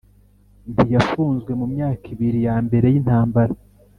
ntiyafunzwe mu myaka ibiri ya mbere y intambara.